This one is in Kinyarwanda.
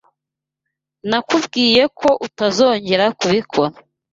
Nakubwiye ko utazongera kubikora.